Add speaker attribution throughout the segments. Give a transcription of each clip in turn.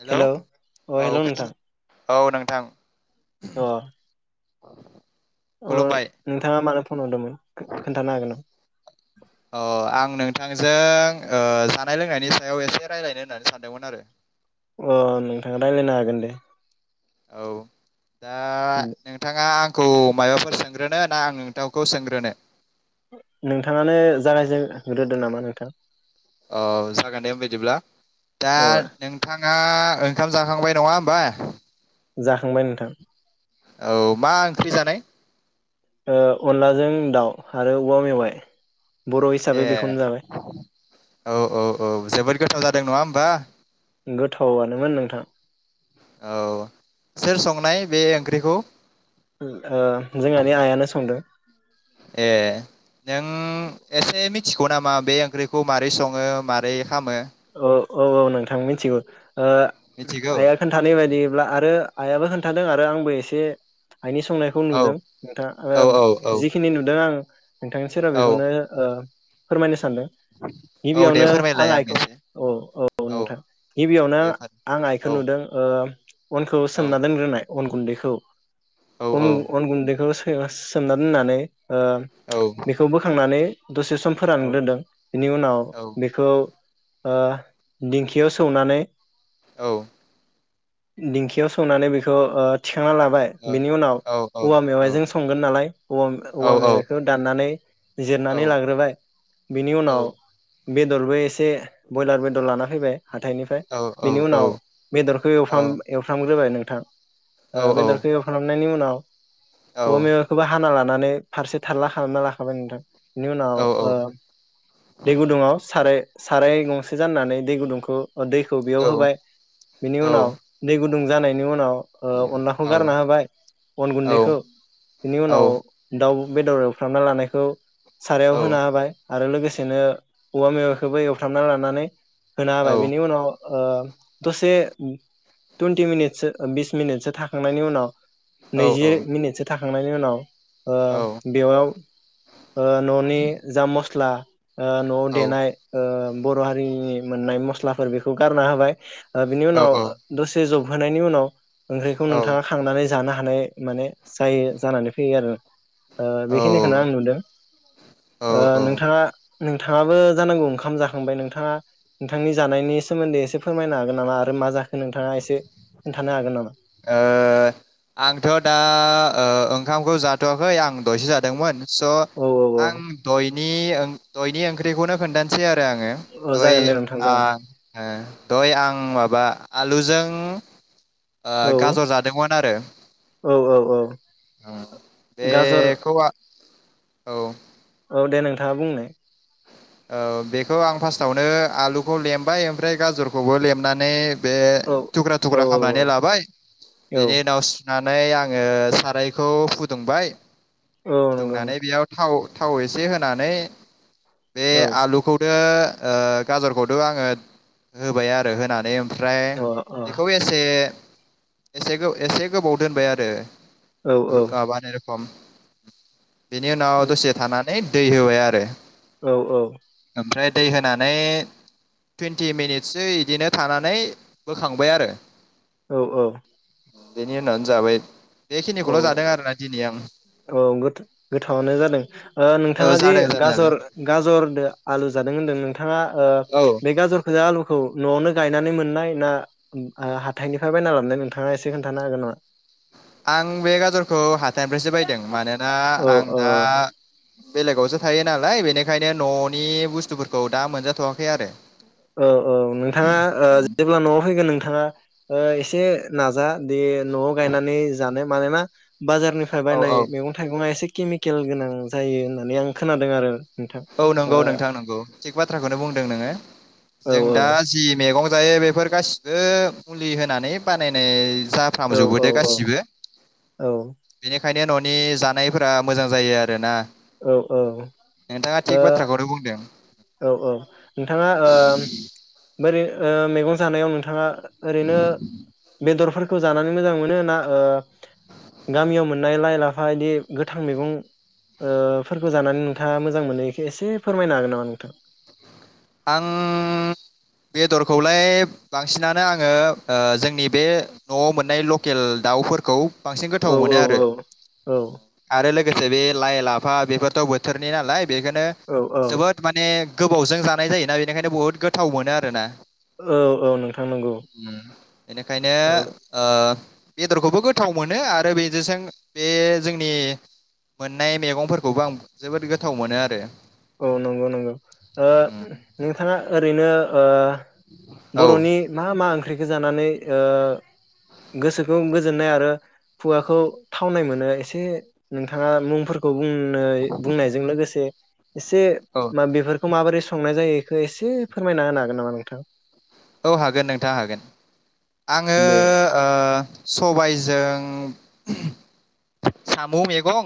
Speaker 1: Hello
Speaker 2: hello अ
Speaker 1: औ
Speaker 2: hello
Speaker 1: खोनादों
Speaker 2: नोंथां।
Speaker 1: औ नोंथां।
Speaker 2: अ।
Speaker 1: औ [unintelligible]
Speaker 2: अ नोंथाङा मानो। फन हरदोंमोन खोन्थानो हागोन।
Speaker 1: अ आं नोंथांजों जानाय लोंनायनि सायाव एसे राय्लायनो होननानै सानदोंमोन आरो।
Speaker 2: नामा अ नोंथाङा रायज्लायनो हागोन दे
Speaker 1: औ। दा नोंथाङा आं। आंखौ माबाफोर सोंग्रोनो ना आं नोंथांखौ सोंग्रोनो।
Speaker 2: नोंथाङानो जागायजेनहोग्रोदो नामा नोंथां।
Speaker 1: औ जागोन दे बेदिबला। दा
Speaker 2: अ
Speaker 1: नोंथाङा। ओंखाम जाखांबाय नङा होमबा।
Speaker 2: जाखांबाय नोंथां।
Speaker 1: औ मा ओंख्रि जानाय।
Speaker 2: अनलाजों दाउ आरो औवा मेवाइ। बर' हिसाबै
Speaker 1: ए
Speaker 2: बेखौनो जाबाय
Speaker 1: औ औ औ जोबोद गोथाव ज [unintelligible]
Speaker 2: गोथावानोमोन नोंथां।
Speaker 1: औ सोर संनाय बे ओंख्रिखौ।
Speaker 2: जोंहानि आयानो संदों।
Speaker 1: ए नों [unintelligible] नामा बे ओंख्रिखौ मारै सङो मारै खामो
Speaker 2: औ औ औ नोंथां मिथिगौ।
Speaker 1: मिथिगौ
Speaker 2: आइआ खोन्थानाय बायदिब्ला आरो। आइयाबो खोन्थादों आरो आंबो एसे। आइनि संनायखौ
Speaker 1: औ
Speaker 2: नुदों
Speaker 1: औ
Speaker 2: नोंथाङा
Speaker 1: औ औ
Speaker 2: जिखिनि नुदों आं। नोंथांनि सोरा
Speaker 1: औ
Speaker 2: बेखौनो। फोरमायनो। सानदों
Speaker 1: औ दे
Speaker 2: गिबियावनो आं
Speaker 1: फोरमायलाय
Speaker 2: आइखौ
Speaker 1: एसे
Speaker 2: औ औ नोंथां गिबियावनो
Speaker 1: दे फोर
Speaker 2: आं आइखो
Speaker 1: औ
Speaker 2: नुदों ओ अनखौ
Speaker 1: औ
Speaker 2: सोमना दोनग्रोनाय अन गुन्दैखौ
Speaker 1: औ
Speaker 2: अम
Speaker 1: औ
Speaker 2: अनगुनदैखो सो ओ सोमना दोननानै ओ
Speaker 1: औ
Speaker 2: बेखौ बोखांनानै दसे सम फोरानग्रोदों बेनि उनाव
Speaker 1: औ
Speaker 2: बेखौ ओ दिंखियाव सौनानै
Speaker 1: औ
Speaker 2: दिंखियाव सौनानै बेखौ ओ थि खांना लाबाय बिनि उनाव
Speaker 1: औ औ
Speaker 2: औवा
Speaker 1: औ
Speaker 2: मेवाइाजों संगोन नालाय औव औवा
Speaker 1: औ
Speaker 2: मेवाइखौ दाननानै जिरनानै लाग्रोबाय बेनि उनाव बेदरबो एसे ब्यलार बेदर लाना फैबाय हाथायनिफ्राय बिनि उनाव बेदरखौ एवफ्राम एवफ्राम ग्रोबाय नों थां ओ बेदरखो एवफ्राम खांनायनि उनाव औवा मेवायखौबो हाना ला नानै फारसे थाल्ला खालामना लाखाबाय नोंथां बिनि उनाव ओ दै गुदुङआव साराय साराय गंस सो जानानानै दै गुदुंखौ दैखौ बेयाव होबाय बिनि उनाव दै गुुंद दुं जानायनि उनाव ओ अनलाखौ गारना होबाय अन गुन्दैखौ बिनि उनाव दाउ बेदर एउफ्रामना लानायखौ सारायाव होना होबाय आरो लोगोसेनो औवा मेवाखौबो एवफ्राम फ्रामना ला नानै होना हाबाय बेनि उनाव ओ दसे टुन्टि मिनिटसो ओ बिस मिनिटसो थाखाखांनायनि उनाव नैजि मिनिटसो थाख खांनायनि उनाव ओ बेयाव ओ ननि जा मस्ला ओ नआव देनाय ओ बर' हारिनि मोननाय मस्लाफोर बेखौ गारना होबाय ओ बिनि उनाव दसे जब होनायनि उनाव ओंख्रिखौ
Speaker 1: औ
Speaker 2: नोंथाङा खांनानै जा जानो हानाय माने जायो जानानै फैयो आरो ओ
Speaker 1: औ औ
Speaker 2: बेखिनिखौनो आं नुदों
Speaker 1: औ
Speaker 2: ओ नोंथाङा नोंथाङाबो जानांगौ ओंखाम जाख खांबाय नोंथाङा नोंथांनि जानायनि सोमोन्दै एसे फोरमायनो हागोन नामा आरो मा जाखो नोंथाङा एसे खोन्थानो हागोन नामा?
Speaker 1: ओ आंथ' दा ओ ओंखामखो जाथ'आखै आं दहायसो जादोंमोन। स
Speaker 2: औ औ
Speaker 1: आं
Speaker 2: औ
Speaker 1: दय नि दयनि ओंख्रिखौनो खोनथानसै आ आङो
Speaker 2: औ
Speaker 1: दय
Speaker 2: जागोन दे नोंथां
Speaker 1: आ
Speaker 2: जागोन
Speaker 1: दहय आं माबा आलुजों ओ
Speaker 2: औ
Speaker 1: गाजर जादोंमोन आरो
Speaker 2: औ औ औ गाजर
Speaker 1: बखौ औ
Speaker 2: औ दे नोंथाङा बुंनाय
Speaker 1: औ बेखौ आं फार्स्टआवनो आलुखौ लेमबाय ओमफ्राय गाजरखौबो लेबनानै बे
Speaker 2: औ
Speaker 1: थुख्रा
Speaker 2: औ
Speaker 1: थुख्रा खामनानै लाबाय
Speaker 2: औ
Speaker 1: बेनि उनाव सु नानै आङो सारायखौ फुदुंबाय
Speaker 2: औ नंगौ
Speaker 1: फुदुंनानै
Speaker 2: नोंथां
Speaker 1: बेयाव थाव थाव एसे होनानै बे आलुखौदो गाजरखौथ' आङो होबाय आरो होनानै ओम फ्राय
Speaker 2: औ
Speaker 1: बेखौ एसे एसे एसे गोबाव दोनबाय आरो।
Speaker 2: अ औ
Speaker 1: [unintelligible] सम बेनि उनाव दसे थाना नै दै होबाय आरो
Speaker 2: औ औ
Speaker 1: ओमफ्राय दै होनानै टुइन्टि मिनिटसो इबिदिनो थानानै बोखांबाय आरो।
Speaker 2: औ औ
Speaker 1: बेनि उनावनो जाबाय‌
Speaker 2: औ औ गोथा गोथावानो जादों ओ
Speaker 1: औ
Speaker 2: नोंथाङा जे
Speaker 1: जादों जानायालाय
Speaker 2: गाजर गाजरदो आलु जादों होनदों [unintelligible] थाङा
Speaker 1: औ
Speaker 2: बे गाजरखोजा आलुखौ न'आवनो गायनानै मोननाय ना हाथाइनिफाय बायना लाबनाय नोंथाङा एसे खोन्थानो हागोन नामा?
Speaker 1: [unintelligible] थाइफ्रायसो बायदों मानोना
Speaker 2: औ
Speaker 1: आं दा
Speaker 2: औ
Speaker 1: बेलेगावसो थायो नालाय बेनिखायनो न'नि बुस्थुफोरखौ दा मोनजाथ'वाखै आरो।
Speaker 2: औ औ नोंथाङा जेब्ला न'आव फैगोन नोंथाङा एसे। नाजा दे। न'आव गायनानै जानो। मानोना बाजारनिफ्राय
Speaker 1: औ औ
Speaker 2: बायनाय मैगं थाइगङा एसे केमिकेल गोनां जायो होननानै आं खोनादों आरो नोंथां
Speaker 1: औ नंगौ नोंथां नंगौ थिग बाथ्राखौनो बुंदों नोङो।
Speaker 2: ओ औ
Speaker 1: जों दा जि मैगं जायो बेफोर गासिबो मुलि होनानै बानायनाय जाफ्राम
Speaker 2: औ औ
Speaker 1: जोबबोदो
Speaker 2: औ
Speaker 1: गासिबो
Speaker 2: औ
Speaker 1: बेनिखायनो न'नि जानायफोरा मोजां जायो आरो ना
Speaker 2: औ औ
Speaker 1: नोंथाङा थिग बाथ्राखौनो बुंदों।
Speaker 2: औ औ नोंथाङा बोरै मैगं जानायाव नोंथाङा ओरैनो बेदरफोरखौ खौ जानानै मोजां मोनो ना गामियाव मोननाय लाइ लाफा बिदि गोथां मैगंफोरखौ जानानै नोंथाङा मोजां मोनो बेखौ एसे फोरमायनो हागोन नामा? [unintelligible]
Speaker 1: आं बेदरखौलाय बांसिनानो आङो जोंनि बे न'आव मोननाय लकेल दाउफोरखौ बांसिन
Speaker 2: औ
Speaker 1: गोथाव
Speaker 2: औ
Speaker 1: मोनो आरो
Speaker 2: औ
Speaker 1: आरो लोगोसे बे लाइ लाफा बेफोरथ' बोथोरनि नालाय बेखौनो
Speaker 2: औ औ
Speaker 1: जोबोद माने गोबावजों जानाय जायोना बेनिखायनो बहुत गोथाव मोनो आरो ना
Speaker 2: औ औ नोंथां नंगौ
Speaker 1: बेनिखायनो
Speaker 2: औ
Speaker 1: ओ बेदरखौबो गोथाव मोनो आरो बेजों बे जोंनि मोननाय मैगंफोरखौबो आं जोबोद गोथाव मोनो आरो।
Speaker 2: औ नंगौ नंगौ। नोंथाङा ओरैनो ओ
Speaker 1: औ
Speaker 2: बर'नि मा मा? ओंख्रिखौ जानानै गोसोखौ गोजोननाय आरो खुगाखौ थावनाय मोनो एसे नोंथाङा मुंफोरखौ बुंनो बुंनायजों लोगोसे एसे माबेफोरखौ माबोरै संनाय जायो बेखौ एसे फोरमायना होनो हागोन नामा नोंथां
Speaker 1: औ हागोन नोंथाङा हागोन आङो
Speaker 2: दे
Speaker 1: ओ सबायजों साम' मैगं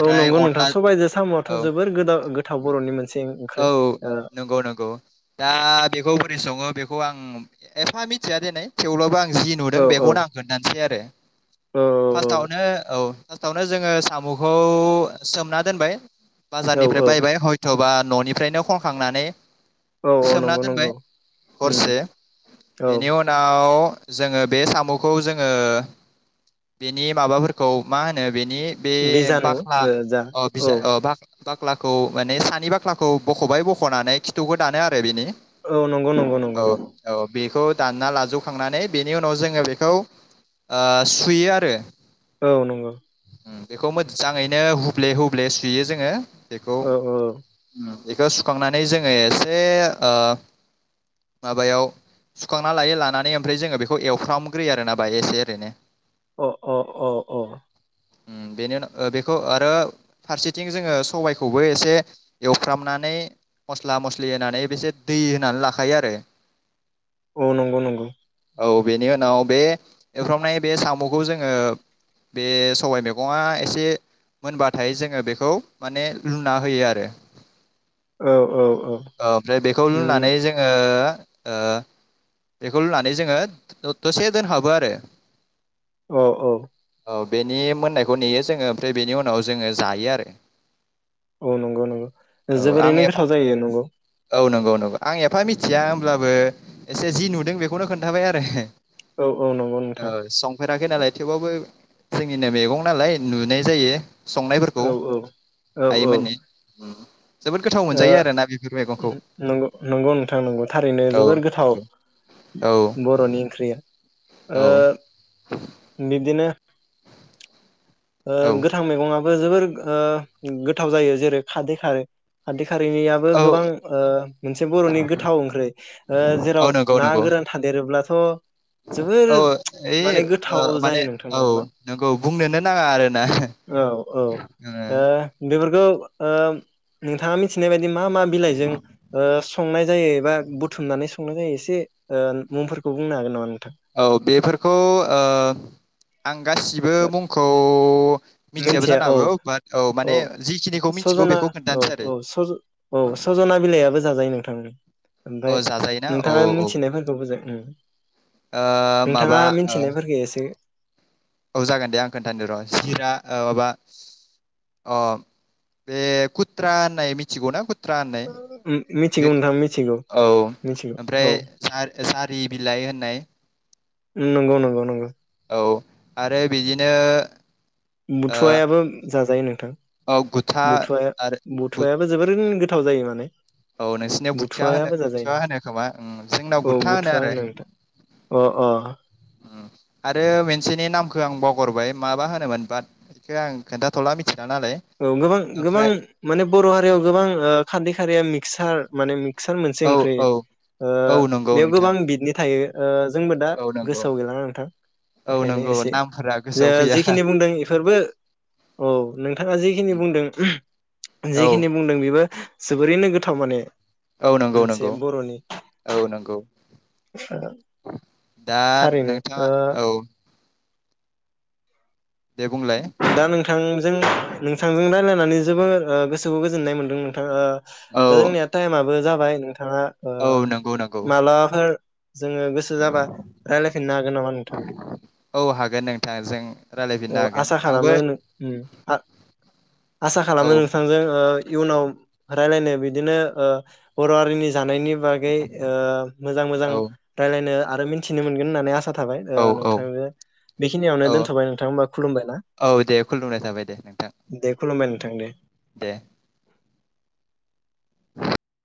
Speaker 2: औ नंगौ नोंथां
Speaker 1: अनला
Speaker 2: सबायजो साम'आथ'
Speaker 1: औ
Speaker 2: जोबोर गोदाव गो थाव बर'नि मोनसे। ओंख्रि
Speaker 1: औ
Speaker 2: ओ
Speaker 1: नंगौ नंगौ दा बेखौ बोरै सङो बे खौ आं एफा मिथिया दिनै थेवब्लाबो आं जि नुदों
Speaker 2: औ
Speaker 1: बेखौनो आं खोन्थानोसै आरो
Speaker 2: औ औ
Speaker 1: फार्स्टआवनो औ। फार्स्टावनो जोङो साम'खौ सोमना दोनबाय।
Speaker 2: औ
Speaker 1: बाजारनिफ्राय बायबाय हयथ'। बा न'निफ्रायनो खनखांनानै।
Speaker 2: औ औ
Speaker 1: सोमना
Speaker 2: नंगौ
Speaker 1: दोनबाय
Speaker 2: नंगौ उम
Speaker 1: हरसे
Speaker 2: औ
Speaker 1: बेनि उनाव जोङो बे साम'खौ जोङो बेनि माबाफोरखौ मा होनो बेनि बे
Speaker 2: बिजानु
Speaker 1: बाख्ला
Speaker 2: ओ जा
Speaker 1: अ
Speaker 2: औ
Speaker 1: बिजा अ बा बाख्लाखौ माने सानि बाख्ला खौ बख'बाय बख'नानै खिथुखौ दानो आरो बिनि
Speaker 2: औ नंगौ नंगौ नंगौ।
Speaker 1: बेखौ दानना लाजोबखांनानै बेनि उनाव जोङो बेखौ ओ सुयो आरो।
Speaker 2: औ नंगौ।
Speaker 1: उम बेखौ मोजाङैनो हुब्ले हुब्ले सुयो जोङो।
Speaker 2: औ औ।
Speaker 1: उम बेखौ सुखांनानै जोङो एसे आ माबायाव सुखांना लायो लानानै ओमफ्राय जोङो बेखौ एवफ्रामग्रोयो आरोना बाहाय एसे ओरैनो।
Speaker 2: अ अ अ अ।
Speaker 1: उम बेनि उन ओ बेखौ आरो फारसेथिं जोङो सबायखौबो एसे एवफ्रामनानै मस्ला मस्लि होनानै बेसे दै होनानै लाखायो आरो।
Speaker 2: औ नंगौ नंगौ।
Speaker 1: औ बेनि उनाव बे एवफ्रामनाय बे साम'खौ जोङो बे सबाय मैगङा एसे मोनबाथाय जोङो बेखौ माने लुना होयो आरो।
Speaker 2: औ औ औ
Speaker 1: ओ ओमफ्राय बेखौ
Speaker 2: उम
Speaker 1: लुनानै जोङो ओ बेखौ लुनानै जोङो दसे दोनहाबो आरो।
Speaker 2: अ औ।
Speaker 1: औ बेनि मोननायखौ नेयो जोङो ओमफ्राय बेनि उनाव जोङो जायो आरो।
Speaker 2: औ नंगौ नंगौ।
Speaker 1: औ आं
Speaker 2: जोबोरैनो
Speaker 1: एफा
Speaker 2: गोथाव जायो नंगौ।
Speaker 1: औ नंगौ नंगौ आं एफा मिथिया होमब्लाबो एसे जि नुदों बेखौ बेखौनो खोन्थाबाय
Speaker 2: औ औ नंगौ नोंथां
Speaker 1: आरो संफेराखै नालाय थेवबाबबो जोंनिनो मैगं नालाय नुनाय जायो। संनायफोरखौ
Speaker 2: औ औ औ
Speaker 1: हायो
Speaker 2: औ ओ
Speaker 1: माने।
Speaker 2: नंगौ नोंथां नंगौ थारैनो जोबोर गोथाव
Speaker 1: औ औ
Speaker 2: बर'नि ओंख्रिया। ओ
Speaker 1: औ
Speaker 2: मि बिदिनो ओ
Speaker 1: औ
Speaker 2: गोथां मैगंआव जोबोर ओ गोथाव जायो जेरै खादै खारो खारै खारैयाबो
Speaker 1: औ
Speaker 2: गोबां ओ मोनसे बर'नि गोथाव ओंख्रै
Speaker 1: औ
Speaker 2: जेराव
Speaker 1: नंगौ
Speaker 2: ना
Speaker 1: नंगौ
Speaker 2: गोरान थादेरोब्लाथ'
Speaker 1: औ
Speaker 2: जोबोर
Speaker 1: ओइ
Speaker 2: माने गोथाव
Speaker 1: ओ माने
Speaker 2: जायो नोंथां
Speaker 1: औ
Speaker 2: नोंगौना?
Speaker 1: नंगौ बुंनोनो नाङा आरोना ओ
Speaker 2: फोरखौ ओ नोंथाङा मिथिनाय बाय बि मा मा बिलाइजों ओ संनाय जायो एबा बुथुमनानै संनाय जायो एसे ओ मुंफोरखौ बुंनो हागोन नामा? नोंथां
Speaker 1: औ बेफोरखौ ओ आं गासिबो मुंखौ मिथियाबो
Speaker 2: मिथिया
Speaker 1: जानो
Speaker 2: औ
Speaker 1: हागौ बाट औ माने जिखिनिखौ मिथिगौ
Speaker 2: सजना
Speaker 1: बेखौ
Speaker 2: औ
Speaker 1: खोन्थानोसै आरो।
Speaker 2: औ सज थांनो
Speaker 1: अ
Speaker 2: ओमफाय
Speaker 1: जाजायोना औ
Speaker 2: नोंथाङा मिथिनायफोरखौ बोजा उम
Speaker 1: ओ
Speaker 2: नोंथाङा
Speaker 1: माबा ओ
Speaker 2: मिथिनायफोरखौ एसे
Speaker 1: जागोन दे आं खोनथानि र' जिरा ओ माबा अ' बे खुट्रा होननाय मिथिगौना? ट्रा होननाय
Speaker 2: उम मिथिगौ
Speaker 1: बे
Speaker 2: नोंथां मिथिगौ
Speaker 1: औ
Speaker 2: मिथिगौ
Speaker 1: ओमफ्राय
Speaker 2: औ
Speaker 1: जारि बिलाइ होननाय।
Speaker 2: नंगौ नंगौ‌ नंगौ।
Speaker 1: औ आरो बिदिनो ओ
Speaker 2: बुथुवायाबो जाजायो नोंथां
Speaker 1: औ गुथा
Speaker 2: बुथुवाया
Speaker 1: आरो बुथ
Speaker 2: बुथवायाबो जोबोरैनो गोथाव जायो माने
Speaker 1: औ नोंसिनियाव गुथिया होनो
Speaker 2: बुथुवायाबो जाजायो
Speaker 1: गुथिया
Speaker 2: नोंथां
Speaker 1: होनो खोमा जोंनाव
Speaker 2: औ
Speaker 1: गुथा होनो
Speaker 2: बुथुवा
Speaker 1: आरो
Speaker 2: नोंथां अ अ
Speaker 1: आरो मोनसेनि नामखौ खौ आं बगरबाय माबा होनोमोन बात बेखौ आं खोन्थाथ'ला मिथि
Speaker 2: औ गोबां गोबां माने बर' हारियाव गोबां ओ खाननै हारिया मिकसार माने मिकसार मोनसे
Speaker 1: औ
Speaker 2: ओंख्रि
Speaker 1: औ
Speaker 2: ओ
Speaker 1: औ नंगौ
Speaker 2: बेयाव
Speaker 1: नोंथां
Speaker 2: गोबां बिदनि थायो ओ जोंबो दा
Speaker 1: औ नंगौ
Speaker 2: गोसोआव गैला ना नोंथां
Speaker 1: औ
Speaker 2: ओंखायनो
Speaker 1: नंगौ
Speaker 2: एसे
Speaker 1: नामफोरा
Speaker 2: जा
Speaker 1: गोसोआव फैया
Speaker 2: जेखिनि बुंदों बेफोरबो औ नों जिखिनि बुंदों
Speaker 1: औ
Speaker 2: जिखिनि बुंदों। बो जोबोरैनो गोथाव माने।
Speaker 1: औ नंगौ
Speaker 2: मोनसे
Speaker 1: नंगौ
Speaker 2: बर'नि
Speaker 1: औ नंगौ दा
Speaker 2: थारैनो
Speaker 1: नोंथाङा
Speaker 2: ओ
Speaker 1: औ। दे बुंलाय
Speaker 2: दा नोंथांजों। नोंथांजों रायलायनानै जोबोर ओ गोसोखौ गोजोननाय मोन्दों नोंथां ओ।
Speaker 1: औ
Speaker 2: दा जोंनिया टाइमाबो। बो जाबाय। थाङा ओ
Speaker 1: औ नंगौ नंगौ
Speaker 2: मालाफोर। जोङो गोसो जाबा रायज्लायफिननो हागोन नामा नोंथां।
Speaker 1: औ हागोन नोंथां जों रायलायफिननो
Speaker 2: औ
Speaker 1: हागोन
Speaker 2: आसा
Speaker 1: आंबो
Speaker 2: खालामो आसा
Speaker 1: औ
Speaker 2: खालामो नोंथांजों ओ इयुनाव। थलायनो बिदिनो बर' हारिनि। जानायनि बागै मोजां मोजां रायजलायनो। आरो मिन्थिनो मोनगोन होननानै आसा। थाबाय
Speaker 1: औ
Speaker 2: नोंथ
Speaker 1: औ
Speaker 2: बेखिनियावनो
Speaker 1: औ
Speaker 2: दोनथबाय नोंथां। खुलुमबाय ना
Speaker 1: औ दे खुलुमनाय थाबाय दे नोंथां
Speaker 2: दे खुलुमबाय नोंथां दे।
Speaker 1: दे। [inaudible]